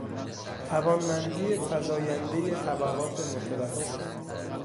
توانمندی فزایندهی طبقات متوسط